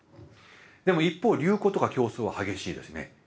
でも一方流行とか競争は激しいですね。